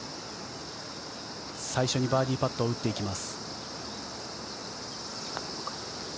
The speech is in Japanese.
最初にバーディーパットを打っていきます。